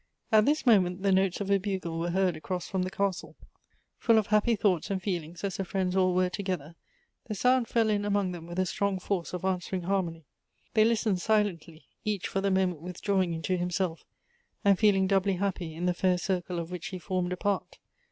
At this moment the notes of a bugle were heard across from the castle. Full of happy thoughts and feelings as the friends all were together, the sound fell in among Elective Affinities. 23 them with a strong force of answering harmony. They listened silently, each for the moment withdrawing into himself, and feeling doubly happy in the fair circle of which he formed a part.